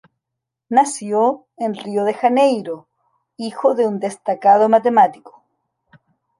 Nació en Río de Janeiro, hijo de un destacado matemático.